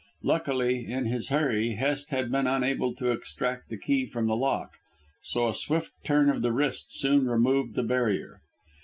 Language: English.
Luckily, in his hurry Hest had been unable to extract the key from the lock, so a swift turn of the wrist soon removed the barrier.